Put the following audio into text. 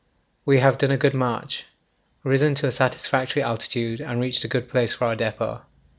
We have done a good march, risen to a satisfactory altitude, and reached a good place for our depot.